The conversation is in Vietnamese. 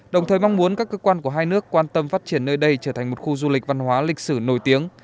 đồng thời mong muốn các cơ quan của hai nước quan tâm phát triển nơi đây trở thành một khu du lịch văn hóa lịch sử nổi tiếng